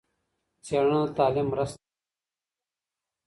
څېړنه د تعليم مرسته کوي.